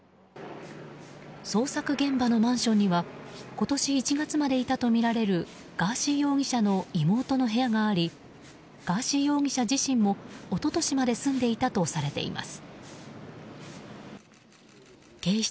捜索現場のマンションには今年１月までいたとみられるガーシー容疑者の妹の部屋がありガーシー容疑者自身も一昨年まで住んでいたとされています。